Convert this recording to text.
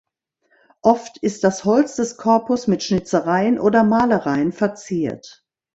Oft ist das Holz des Korpus mit Schnitzereien oder Malereien verziert.